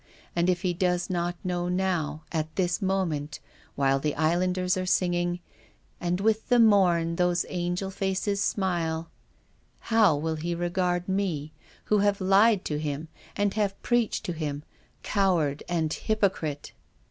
And if he does know, now, at this moment, while the inlanders are singing, " And with the morn those angel faces smile —" how will he regard me, who have lied to him and who have preached to him, coward and hypocrite